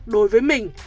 đối với mình